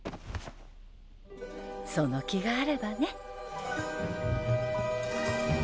その気があればね。